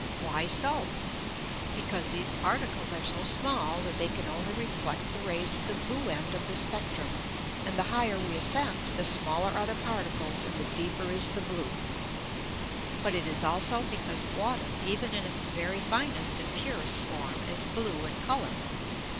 Why so? Because these particles are so small that they can only reflect the rays of the blue end of the spectrum; and the higher we ascend, the smaller are the particles and the deeper is the blue. But it is also because water, even in its very finest and purest form, is blue in colour.